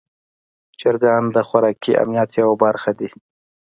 چرګان د خوراکي امنیت یوه برخه دي.